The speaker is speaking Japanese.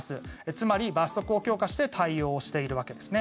つまり、罰則を強化して対応しているわけですね。